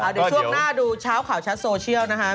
เอาเดี๋ยวช่วงหน้าดูครอบคร่าวชัวร์โซเชียลนะคะ